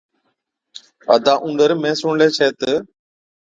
ادا اُونڏر مين سُڻلَي ڇَي تہ،